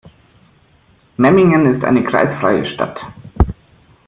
Memmingen ist eine kreisfreie Stadt.